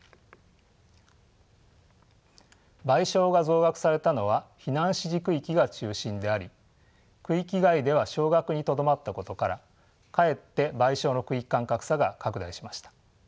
賠償が増額されたのは避難指示区域が中心であり区域外では少額にとどまったことからかえって賠償の区域間格差が拡大しました。